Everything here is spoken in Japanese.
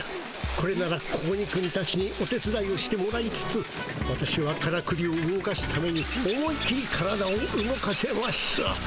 これなら子鬼くんたちにお手つだいをしてもらいつつ私はからくりを動かすために思いっきり体を動かせます。